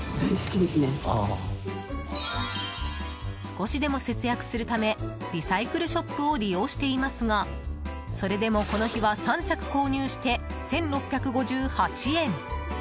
少しでも節約するためリサイクルショップを利用していますがそれでも、この日は３着購入して、１６５８円。